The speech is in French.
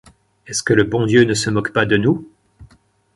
Est-ce que le bon Dieu ne se moque pas de nous ?…